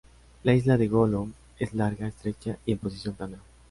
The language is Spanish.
La isla de Golo es larga, estrecha y en posición plana.